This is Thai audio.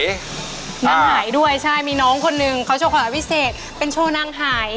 นางหายด้วยใช่มีน้องคนนึงเขาโชว์ความพิเศษเป็นโชว์นางหาย